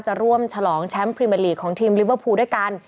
จะร่วมฉลองแชมป์พรีเมอร์ลีกของทีมลิเวอร์พูลด้วยกัน